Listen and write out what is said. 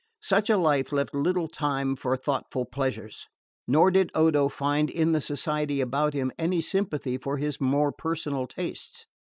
Such a life left little time for thoughtful pleasures; nor did Odo find in the society about him any sympathy with his more personal tastes.